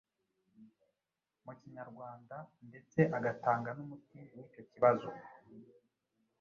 mu Kinyarwanda, ndetse agatanga n’umuti w’icyo kibazo,